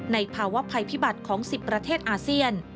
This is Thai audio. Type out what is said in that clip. ในภาวะภัยพิบัติของ๑๐ประเทศอาเซียน